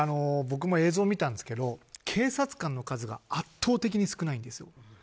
僕も映像を見たんですけど警察官の数が圧倒的に少ないんです。